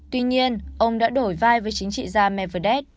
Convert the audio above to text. tuy nhiên ông đã đổi vai với chính trị gia meved